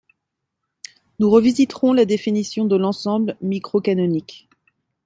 nous revisiterons la définition de l'ensemble microcanonique